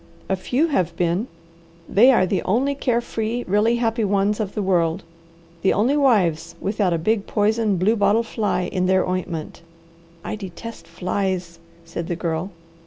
"A few have been. They are the only care free, really happy ones of the world, the only wives without a big, poison, blue bottle fly in their ointment." "I detest flies!" said the Girl.